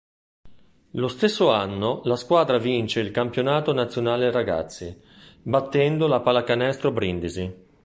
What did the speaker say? Lo stesso anno la squadra vince il Campionato nazionale ragazzi, battendo la Pallacanestro Brindisi.